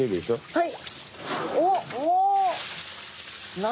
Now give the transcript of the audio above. はい。